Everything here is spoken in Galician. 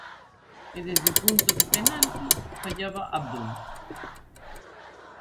E desde o punto de penalti fallaba Abdón.